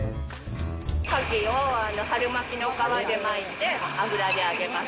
カキを春巻きの皮で巻いて、油で揚げます。